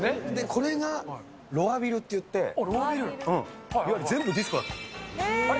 これがロアビルといって、いわゆる全部ディスコだったんだよ。